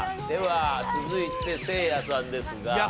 では続いてせいやさんですが。